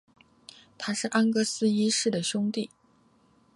他是安格斯一世的兄弟。